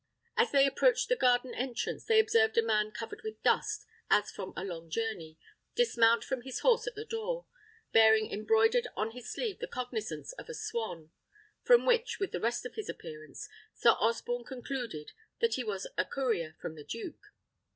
As they approached the garden entrance, they observed a man covered with dust, as from a long journey, dismount from his horse at the door, bearing embroidered on his sleeve the cognizance of a swan; from which, with the rest of his appearance, Sir Osborne concluded that he was a courier from the duke.